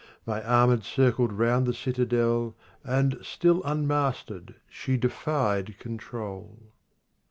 My arm had circled round the citadel, And, still unmastered, she defied control.